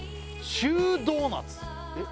シュードーナツえっ？